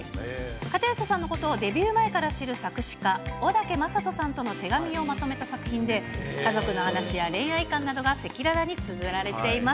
片寄さんのことをデビュー前から知る作詞家、小竹正人さんとの手紙をまとめた作品で、家族の話や恋愛観などが赤裸々につづられています。